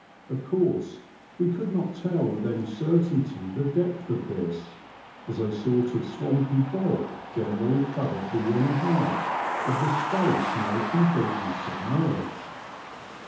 Of course we could not tell with any certainty the depth of this, as a sort of swampy bog generally covered the inner half of the space now completely submerged.